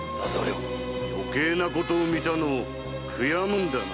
余計なことを見たのを悔やむんだな。